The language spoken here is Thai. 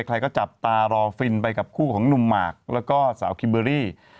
ใครก็จับตารอฟินไปกับคู่ของหนุ่มหมากแล้วก็สาวคิมเบอรี่